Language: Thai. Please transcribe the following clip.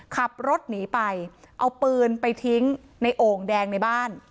ขับรถหนีไปเอาปืนไปทิ้งในโอ่งแดงในบ้าน